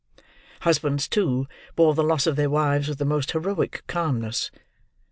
Husbands, too, bore the loss of their wives with the most heroic calmness.